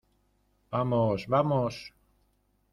¡ vamos! ¡ vamos !